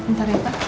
ntar ya pak